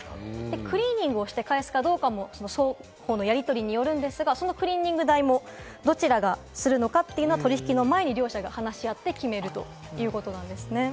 クリーニングをして返すかどうかは、双方のやりとりによるんですが、そのクリーニング代もどちらがするのかは取引の前に両者が話し合って決めるということなんです。